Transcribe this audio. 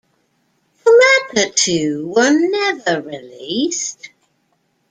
The latter two were never released.